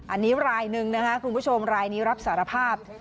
อันนี้รายหนึ่งนะคะคุณผู้ชมรายนี้รับสารภาพ